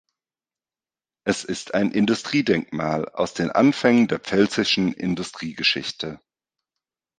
Es ist ein Industriedenkmal aus den Anfängen der pfälzischen Industriegeschichte.